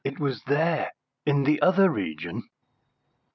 "It was there in the other region?"